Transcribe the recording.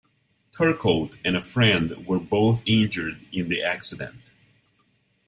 Turcotte and a friend were both injured in the accident.